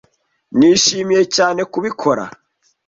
Nishimiye cyane kubikora.